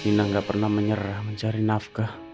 nina gak pernah menyerah mencari nafkah